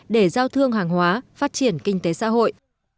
để giao thương hàng hóa phát triển kinh tế xã hội